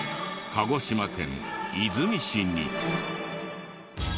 鹿児島県出水市に。